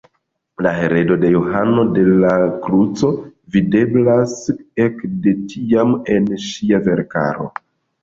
La heredo de Johano de la Kruco videblas ekde tiam en ŝia verkaro.